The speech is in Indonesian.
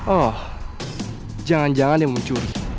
oh jangan jangan yang mencuri